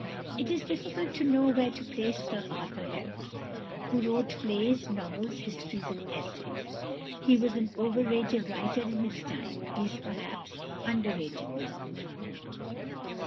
It is difficult to know where to place =Sir Arthur Helps (1817 1875)=, who wrote plays, novels, histories, and essays. He was an overrated writer in his time. He is perhaps underrated now.